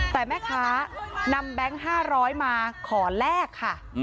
แต่แม่ค้านำแบงค์๕๐๐มาขอแลกค่ะ